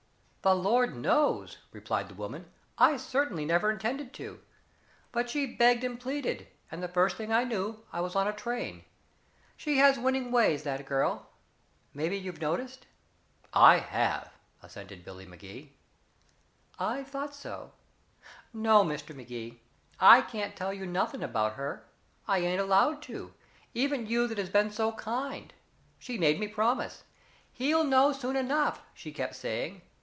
"The Lord knows," replied the woman. "I certainly never intended to, but she begged and pleaded, and the first thing I knew, I was on a train. She has winning ways, that girl maybe you've noticed?" "I have," assented Billy Magee. "I thought so. No, Mr. Magee, I can't tell you nothing about her. I ain't allowed to even you that has been so kind. She made me promise. 'He'll know soon enough,' she kept saying.